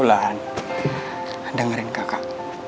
lan dengerin kakak